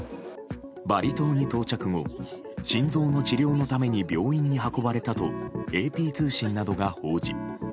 バリ島に到着後心臓の治療のために病院に運ばれたとＡＰ通信などが報じ